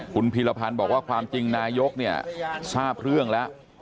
คุณพีรพันธ์บอกว่าความจริงนายกเนี่ยทราบเรื่องแล้ว